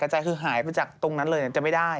แต่ใจคือหายไปจากตรงนั้นเลยจะไม่ได้